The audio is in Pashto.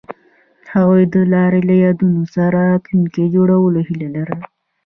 هغوی د لاره له یادونو سره راتلونکی جوړولو هیله لرله.